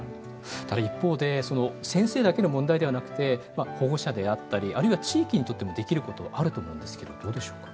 ただ一方で先生だけの問題ではなくて保護者であったりあるいは地域にとってもできることはあると思うんですけどどうでしょうか？